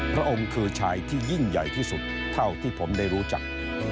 พระองค์คือชายที่ยิ่งใหญ่ที่สุดเท่าที่ผมได้รู้จัก